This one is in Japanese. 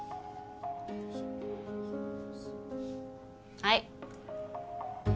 はい。